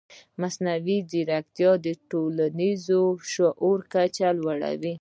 مصنوعي ځیرکتیا د ټولنیز شعور کچه لوړوي.